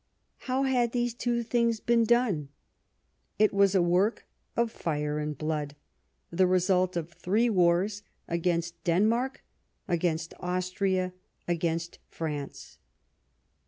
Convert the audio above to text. How had these two things been done ? It was a work of " fire and blood," the result of three wars, against Denmark, against Austria, against France.